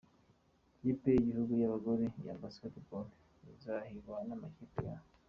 Ikipe y’Igihugu y’Abagabo ya Basketball izahiganwa n’amakipe ya